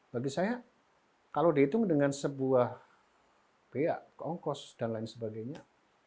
bagi saya kalau dihitung dengan sebuah bea kongkos dan lain sebagainya